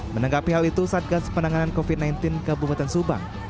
menanggapi hal itu satgas penanganan covid sembilan belas kabupaten subang